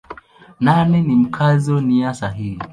Nane ni Mkazo nia sahihi.